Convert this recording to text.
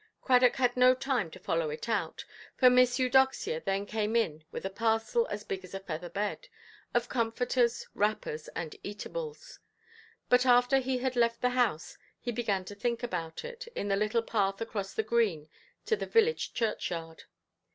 Cradock had no time to follow it out, for Miss Eudoxia then came in with a parcel as big as a feather–bed, of comforters, wrappers, and eatables. But, after he had left the house, he began to think about it, in the little path across the green to the village churchyard.